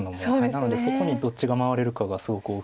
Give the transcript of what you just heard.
なのでそこにどっちが回れるかがすごく大きいので。